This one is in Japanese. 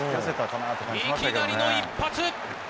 いきなりの一発。